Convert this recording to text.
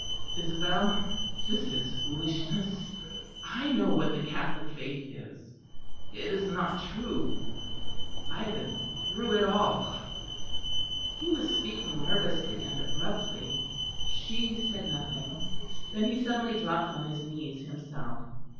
"Isabel, this is foolishness. I know what the Catholic faith is. It is not true; I have been through it all." He was speaking nervously and abruptly. She said nothing. Then he suddenly dropped on his knees himself.